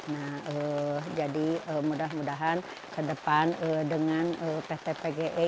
nah jadi mudah mudahan ke depan dengan pt pge